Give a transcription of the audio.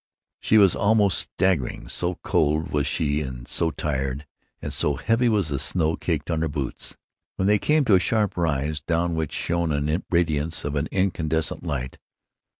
She was almost staggering, so cold was she and so tired, and so heavy was the snow caked on her boots, when they came to a sharp rise, down which shone the radiance of an incandescent light.